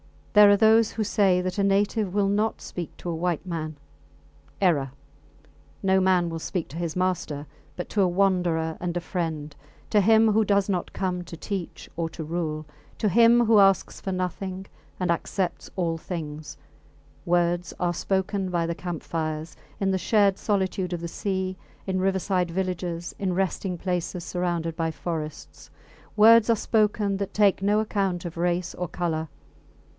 There are those who say that a native will not speak to a white man. Error. No man will speak to his master; but to a wanderer and a friend, to him who does not come to teach or to rule, to him who asks for nothing and accepts all things, words are spoken by the camp fires, in the shared solitude of the sea, in riverside villages, in resting places surrounded by forests words are spoken that take no account of race or colour.